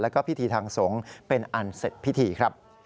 แล้วก็พิธีทางสงฆ์เป็นอันเสร็จพิธีครับ